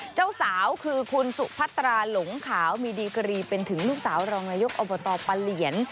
เจ้าสาวคือคุณสุพัตราหลงขาวมีดีกรีเป็นถึงลูกสาวรองนายกอบตปะเหลียน